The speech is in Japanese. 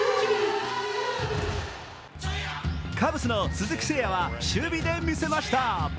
カブスの鈴木誠也は守備で見せました。